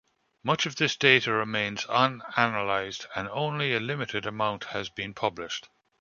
Much of this data remains unanalyzed and only a limited amount has been published.